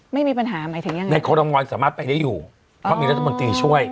ไม่มีปัญหาหมายถึงยังไงในคอรมอลสามารถไปได้อยู่เพราะมีรัฐมนตรีช่วย